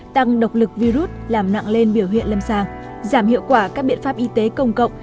tăng độc lực virus làm nặng lên biểu hiện lâm sàng giảm hiệu quả các biện pháp y tế công cộng